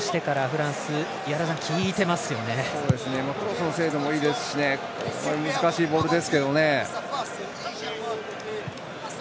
クロスの精度もいいですし難しいボールですけどね。